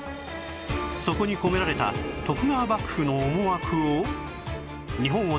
そこに込められた徳川幕府の思惑を